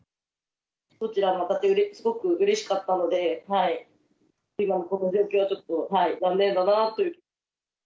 どちらも当たって、すごくうれしかったので、今のこの状況はちょっと残念だなと。